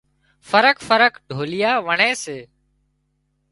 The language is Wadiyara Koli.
فرق فرق ڍوليئا وڻي سي